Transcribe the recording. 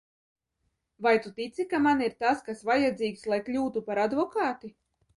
Vai tu tici, ka man ir tas, kas vajadzīgs, lai kļūtu par advokāti?